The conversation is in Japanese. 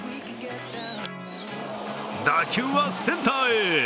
打球はセンターへ。